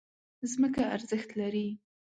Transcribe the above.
ځمکه ارزښت لري.